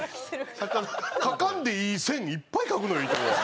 描かんでいい線いっぱい描くのよ伊藤は。